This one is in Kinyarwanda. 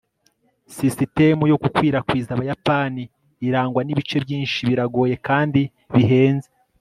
sisitemu yo gukwirakwiza abayapani, irangwa nibice byinshi, biragoye kandi bihenze